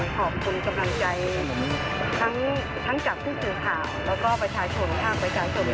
โปรดติดตามต่อไป